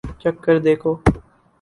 چکھ کر دیکھو